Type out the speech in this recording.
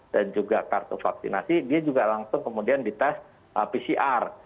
dan juga kartu vaksinasi dia juga langsung kemudian di tes pcr